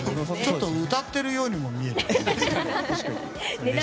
ちょっと歌ってるようにも見えるよね。